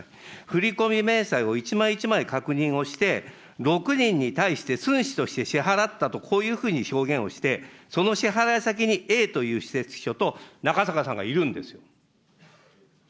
振り込み明細を一枚一枚確認をして、６人に対して寸志として支払ったと、こういうふうに表現をして、その支払い先にＡという私設秘書と中坂さんがいるんですよ。